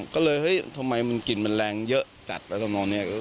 ก็เลยเฮ้ยทำไมกลิ่นมันแรงเยอะจัดแล้วทำนองนี้